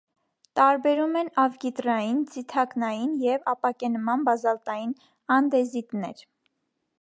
Տարբերում են ավգիտրային, ձիթակնային և ապակենման բազալտային անդեզիտներ։